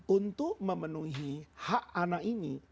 untuk memenuhi hak anak ini